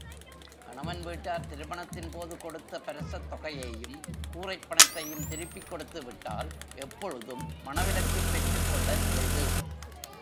கணவன் வீட்டார் திருமணத்தின்போது கொடுத்த பரிசத்தொகையையும், கூறைப்பணத்தையும் திருப்பிக் கொடுத்துவிட்டால், எப்பொழுதும் மணவிலக்குப் பெற்றுக்கொள்ளல் எளிது.